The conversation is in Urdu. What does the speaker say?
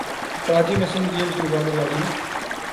کراچی میں سندھ گیمز کے مقابلے جاری ہیں